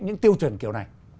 những tiêu chuẩn kiểu này